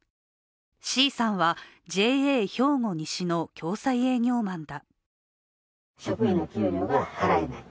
ＣさんはＪＡ兵庫西の共済営業マンだ。